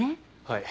はい。